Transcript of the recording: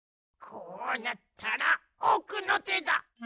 こうなったらおくのてだ。